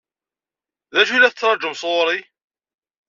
D acu i la tettṛaǧum sɣur-i?